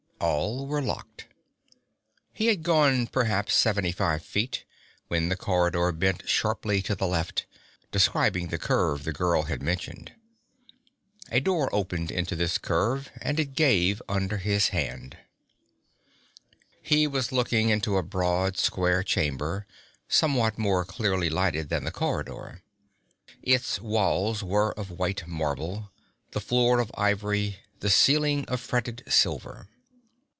All were locked. He had gone perhaps seventy five feet when the corridor bent sharply to the left, describing the curve the girl had mentioned. A door opened into this curve, and it gave under his hand. He was looking into a broad, square chamber, somewhat more clearly lighted than the corridor. Its walls were of white marble, the floor of ivory, the ceiling of fretted silver.